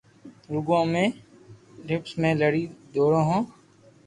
روگو امي ڊپس ۾ لڙين ئوري ھون